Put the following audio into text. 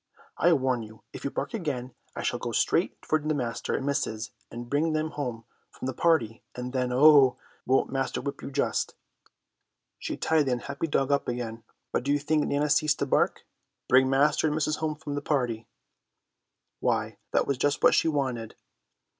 "I warn you if you bark again I shall go straight for master and missus and bring them home from the party, and then, oh, won't master whip you, just." She tied the unhappy dog up again, but do you think Nana ceased to bark? Bring master and missus home from the party! Why, that was just what she wanted.